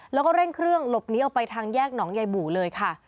แล้วก็เร่งเครื่องหลบหนีออกไปทางแยกหนองยายบู่เลยค่ะ